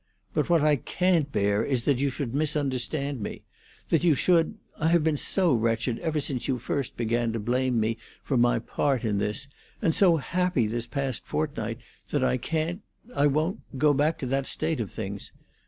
But what I can't bear is that you should misunderstand me, that you should—I have been so wretched ever since you first began to blame me for my part in this, and so happy this past fortnight that I can't—I won't—go back to that state of things.